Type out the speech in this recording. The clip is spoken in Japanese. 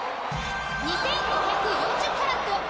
２，５４０カラット。